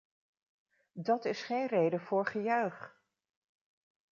Dat is geen reden voor gejuich!